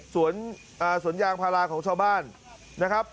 สวนยางพาราของชาวบ้านนะครับ